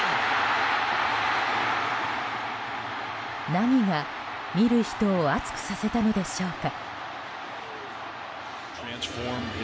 何が見る人を熱くさせたのでしょうか。